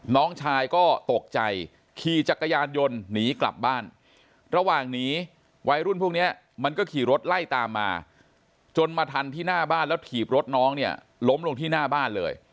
น้องชายก็ตกใจขี่จักรยานยนต์หนีกลับบ้านระหว่างหนีวัยรุ่นพวกนี้มันก็ขี่รถไล่ตามมาจนมาทันที่หน้าบ้านแล้วถีบรถน้องเนี่ยล้มลงที่หน้าบ้านเลย